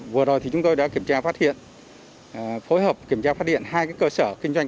vừa rồi thì chúng tôi đã kiểm tra phát hiện phối hợp kiểm tra phát điện hai cơ sở kinh doanh